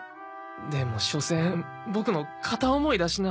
でもしょせんボクの片思いだしな。